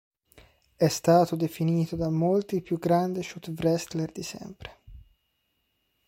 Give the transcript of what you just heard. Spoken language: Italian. È stato definito da molti il più grande shoot wrestler di sempre.